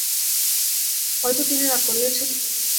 হয় তো তিনি রাগ করিয়াছেন!